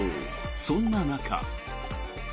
そんな中。